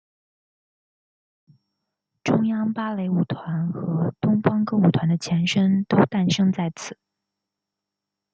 中央芭蕾舞团和东方歌舞团的前身都诞生在此。